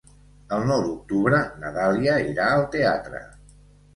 El nou d'octubre na Dàlia irà al teatre.